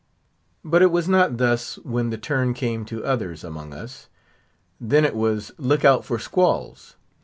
But it was not thus when the turn came to others among us. Then it was look out for squalls.